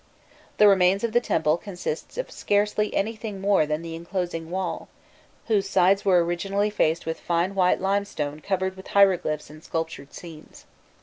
The remains of the temple consist of scarcely anything more than the enclosing wall, whose sides were originally faced with fine white limestone covered with hieroglyphs and sculptured scenes.